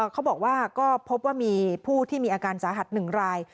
เขาบอกว่าก็พบว่ามีผู้ที่มีอาการสาหัส๑ราย